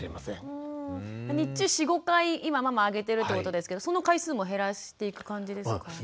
日中４５回今ママあげてるってことですけどその回数も減らしていく感じですかね？